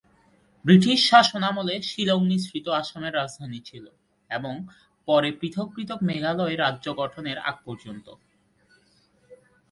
British শাসনামলে শিলং মিশ্রিত আসামের রাজধানী ছিল এবং পরে পৃথক পৃথক মেঘালয় রাজ্য গঠনের আগ পর্যন্ত।